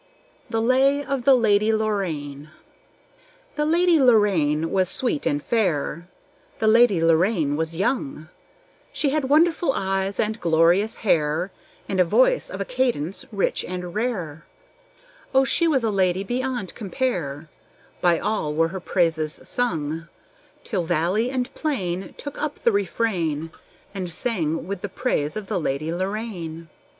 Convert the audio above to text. The Lay of the Lady Lorraine The Lady Lorraine was sweet and fair; The Lady Lorraine was young; She had wonderful eyes and glorious hair, And a voice of a cadence rich and rare; Oh, she was a lady beyond compare By all were her praises sung, Till valley and plain Took up the refrain, And rang with the praise of the Lady Lorraine.